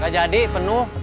gak jadi penuh